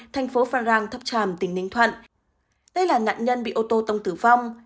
thành phố phan rang tháp tràm tỉnh ninh thuận đây là nạn nhân bị ô tô tông tử vong